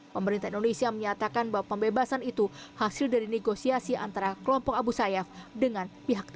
pemerintah indonesia menyatakan bahwa pembebasan itu hasil dari negosiasi antara kelompok abu sayyaf dengan pihak ketiga